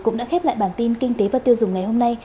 cũng đã khép lại bản tin kinh tế và tiêu dùng ngày hôm nay